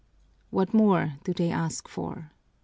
"What more do they ask for?"